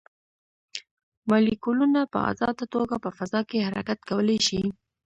مالیکولونه په ازاده توګه په فضا کې حرکت کولی شي.